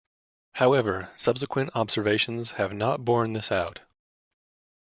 However, subsequent observations have not born this out.